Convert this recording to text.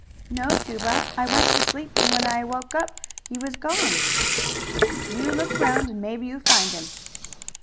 "No, Juba. I went to sleep and when I woke up he was gone." "You look round and maybe you find him."